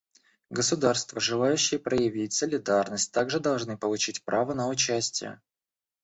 Государства, желающие проявить солидарность, также должны получить право на участие.